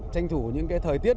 tranh thủ những thời tiết